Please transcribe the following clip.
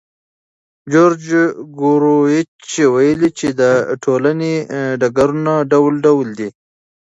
جورج ګوروویچ ویلي چې د ټولنې ډګرونه ډول ډول دي.